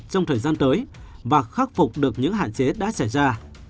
trong thời gian tới và khắc phục được những hạn chế đã xảy ra